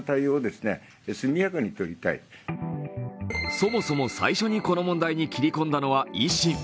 そもそも最初にこの問題に切り込んだのは維新。